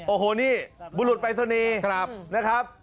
โอ้โหนี่บุรุษไปสนีนะครับ